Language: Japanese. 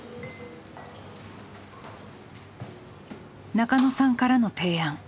中野さんからの提案。